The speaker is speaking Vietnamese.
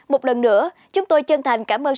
một lần nữa chúng tôi chân thành cảm ơn